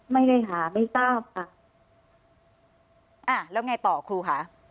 ไม่ได้หาไม่ทราบค่ะอ่าแล้วไงต่อครูค่ะ